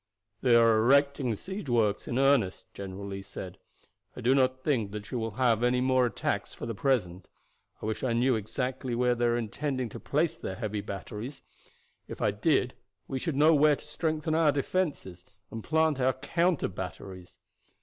"They are erecting siege works in earnest," General Lee said. "I do not think that we shall have any more attacks for the present. I wish I knew exactly where they are intending to place their heavy batteries. If I did we should know where to strengthen our defenses, and plant our counter batteries.